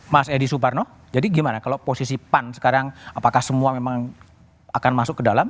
mas edi suparno jadi gimana kalau posisi pan sekarang apakah semua memang akan masuk ke dalam